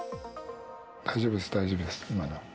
大丈夫です、大丈夫です、今のは。